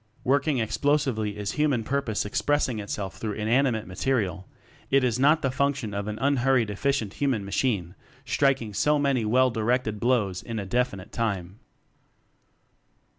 Working Explosively is human purpose expressing itself through inanimate material; it is not the function of an unhurried efficient human machine striking so many well directed blows in a definite time.